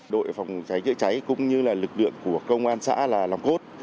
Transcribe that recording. đội phòng cháy chữa cháy cũng như lực lượng của công an xã là làm cốt